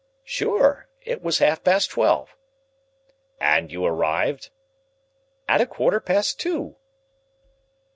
"Sure. It was half past twelve." "And you arrived?" "At a quarter past two."